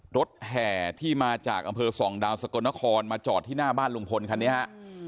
แห่ที่มาจากอำเภอส่องดาวสกลนครมาจอดที่หน้าบ้านลุงพลคันนี้ฮะ